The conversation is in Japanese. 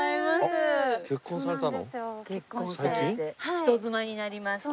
人妻になりました。